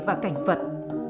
và cảnh vật